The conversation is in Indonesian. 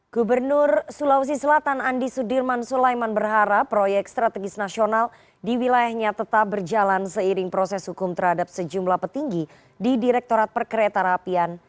gubernur sulawesi selatan andi sudirman sulaiman berharap proyek strategis nasional di wilayahnya tetap berjalan seiring proses hukum terhadap sejumlah petinggi di direktorat perkereta rapian